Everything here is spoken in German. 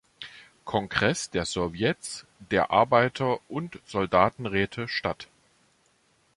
Kongress der Sowjets der Arbeiter- und Soldatenräte statt.